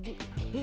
baik amat ji